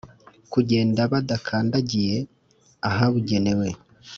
kugenda badakandagiye ahabugenewe